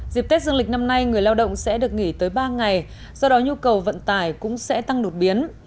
dịp tết dương lịch năm nay người lao động sẽ được nghỉ tới ba ngày do đó nhu cầu vận tải cũng sẽ tăng đột biến